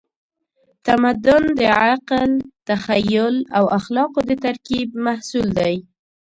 تمدن د عقل، تخیل او اخلاقو د ترکیب محصول دی.